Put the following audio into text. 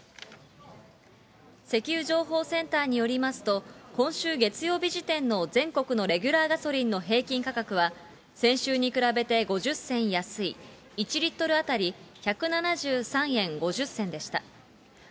石油情報センターによりますと、今週月曜日時点の全国のレギュラーガソリンの平均価格は、先週に比べて５０銭安い、１リットル当たり１７３円５０銭でした。